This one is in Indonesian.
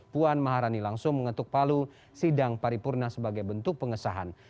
puan maharani langsung mengetuk palu sidang paripurna sebagai bentuk pengesahan